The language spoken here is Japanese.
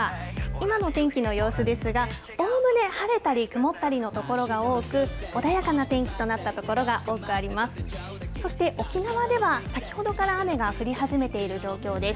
今の天気の様子ですが、おおむね晴れたり曇ったりの所が多く、穏やかな天気となった所が多くあります。